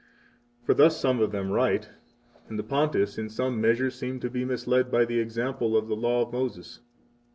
40 For thus some of them write; and the Pontiffs in some measure seem to be misled by the example 41 of the law of Moses.